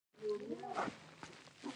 دا پاڅون په کندهار کې وشو.